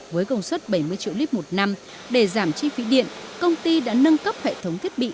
với công suất bảy mươi triệu lít một năm để giảm chi phí điện công ty đã nâng cấp hệ thống thiết bị